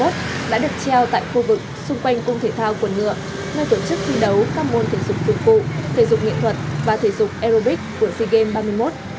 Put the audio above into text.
đã được treo tại khu vực xung quanh cung thể thao quần ngựa nơi tổ chức thi đấu các môn thể dục phục vụ thể dục nghệ thuật và thể dục aerobics của sea games ba mươi một